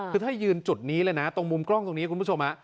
คือถ้ายืนจุดนี้เลยนะตรงมุมกล้องตรงนี้คุณผู้ชม